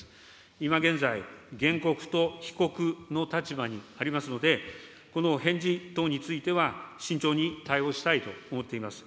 今現在、原告と被告の立場にありますので、この返事等については、慎重に対応したいと思っています。